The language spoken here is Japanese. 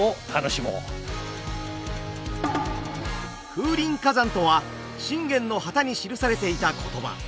「風林火山」とは信玄の旗に記されていた言葉。